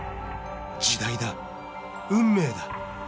時代だ運命だ。